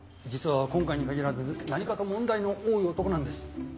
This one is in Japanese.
実は今回に限らず何かと問題の多い男なんです。